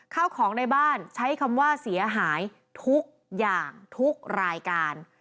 ข้าวของในบ้านใช้คำว่าเสียหายทุกอย่างทุกรายการ